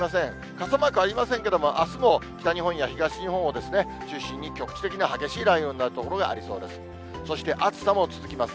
傘マークありませんけれども、あすも北日本や東日本を中心に局地的な激しい雷雨になる所がありそうです。